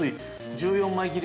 ◆１４枚切り！？